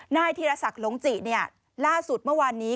นายธีรศักดิ์หลงจิล่าสุดเมื่อวานนี้